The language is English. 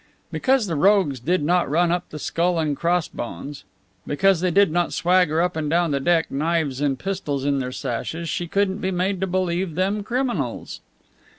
Because the rogues did not run up the skull and crossbones; because they did not swagger up and down the deck, knives and pistols in their sashes, she couldn't be made to believe them criminals!